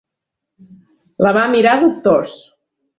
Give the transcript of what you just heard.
La va mirar dubtós.